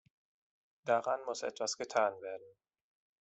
Daran muss etwas getan werden.